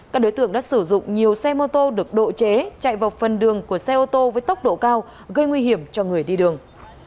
các đối tượng đã sử dụng nhiều xe mô tô được độ chế chạy vào phần đường của xe ô tô với tốc độ cao gây nguy hiểm cho người đi đường